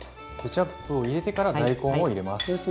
ケチャップを入れてから大根を入れます。